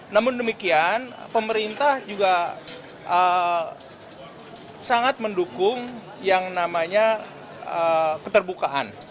namun demikian pemerintah juga sangat mendukung yang namanya keterbukaan